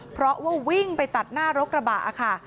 เพราะว่าวิ่งไปตัดหน้ารถกระบะค่ะ